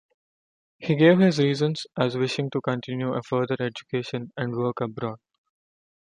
He gave his reasons as wishing to continue a further education and work abroad.